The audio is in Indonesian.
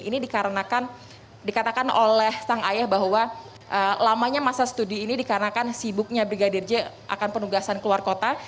ini dikatakan oleh sang ayah bahwa lamanya masa studi ini dikarenakan sibuknya brigadir j akan penugasan keluar kota